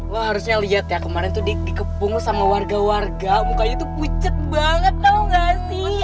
wah harusnya lihat ya kemarin tuh dikepung sama warga warga mukanya tuh pucet banget tau gak sih